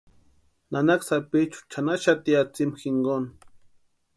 Nanaka sapichu chʼanaxati atsïmu jinkoni.